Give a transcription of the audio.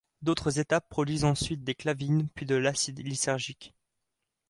D'autres étapes produisent ensuite des clavines puis de l'acide lysergique.